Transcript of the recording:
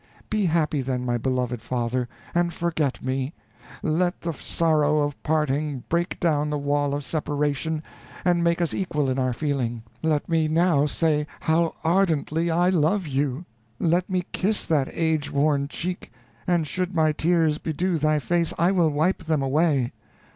Be happy then, my beloved father, and forget me; let the sorrow of parting break down the wall of separation and make us equal in our feeling; let me now say how ardently I love you; let me kiss that age worn cheek, and should my tears bedew thy face, I will wipe them away.